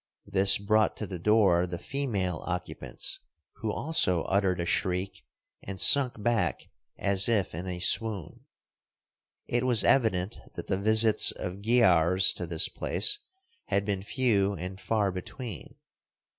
This brought to the door the female occupants, who also uttered a shriek, and sunk back as if in a swoon. It was evident that the visits of giaours to this place had been few and far between.